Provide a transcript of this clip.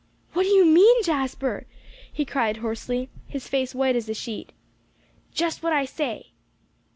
"What do you mean, Jasper?" he cried hoarsely, his face white as a sheet. "Just what I say."